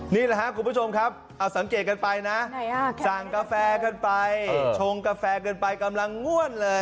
นี่แหละครับคุณผู้ชมครับเอาสังเกตกันไปนะสั่งกาแฟกันไปชงกาแฟกันไปกำลังง่วนเลย